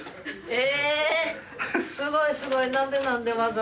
え！